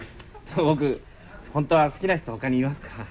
僕本当は好きな人ほかにいますから。